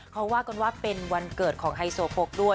เขาว่ากันว่าเป็นวันเกิดของไฮโซโพกด้วย